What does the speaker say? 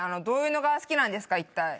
どういうのが好きなんですか？